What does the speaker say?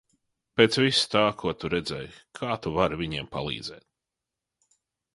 Pēc visa tā, ko tu redzēji, kā tu vari viņiem palīdzēt?